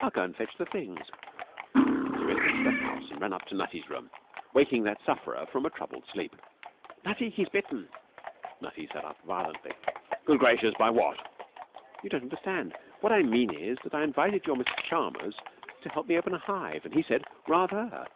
'I'll go and fetch the things.' She went into the house and ran up to Nutty's room, waking that sufferer from a troubled sleep. 'Nutty, he's bitten.' Nutty sat up violently. 'Good gracious! What by?' 'You don't understand. What I meant was that I invited your Mr Chalmers to help me open a hive, and he said "Rather!"